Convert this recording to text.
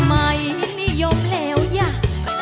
มาฟังอินโทรเพลงที่๑๐